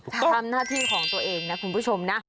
ทำหน้าที่ของตัวเองนะคุณผู้ชมนะ